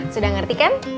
sudah ngerti kan